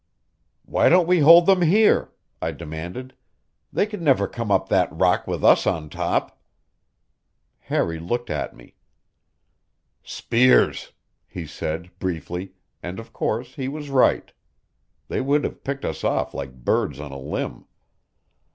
"Why don't we hold them here?" I demanded. "They could never come up that rock with us on top." Harry looked at me. "Spears," he said briefly; and, of course, he was right. They would have picked us off like birds on a limb.